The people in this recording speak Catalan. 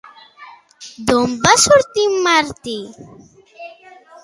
D'on va sortir en Martí?